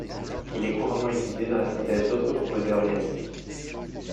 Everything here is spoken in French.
Il est couramment utilisé dans la synthèse d'autres composés organiques.